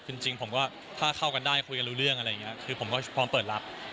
คือจริงผมก็ถ้าเข้ากันได้คุยกันรู้เรื่องอะไรอย่างนี้คือผมก็พร้อมเปิดรับ